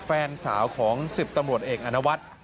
แฟนสาวของสิบตำรวจเอกอันวัด